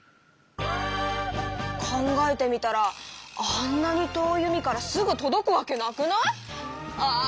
考えてみたらあんなに遠い海からすぐとどくわけなくない⁉ああ